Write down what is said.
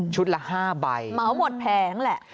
ชุดละ๕ใบหม่อหมดแพงแหละ